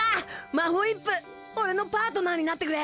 マホイップ俺のパートナーになってくれ！